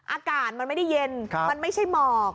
อากาศมันไม่ได้เย็นมันไม่ใช่หมอก